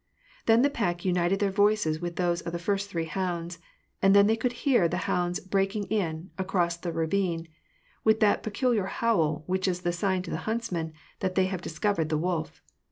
Then the pack united their voices with those of the first three hounds ; and then they could hear the hounds breaking in, across the ravine,^ with that peculiar howl which is the sign to the huntsman that they have discovered the wolf.